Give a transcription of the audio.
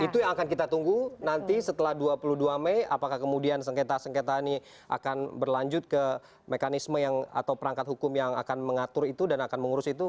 itu yang akan kita tunggu nanti setelah dua puluh dua mei apakah kemudian sengketa sengketa ini akan berlanjut ke mekanisme atau perangkat hukum yang akan mengatur itu dan akan mengurus itu